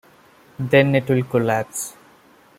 Then it will collapse.